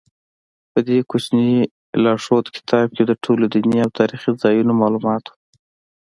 په دې کوچني لارښود کتاب کې د ټولو دیني او تاریخي ځایونو معلومات و.